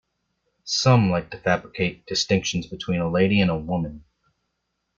Some like to fabricate distinctions between a lady and a woman.